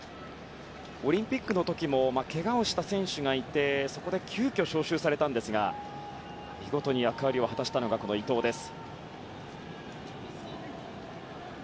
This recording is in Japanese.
オリンピックの時もけがをした選手がいてそこで急きょ招集されたんですが見事に役割を果たしたのがこの伊藤です。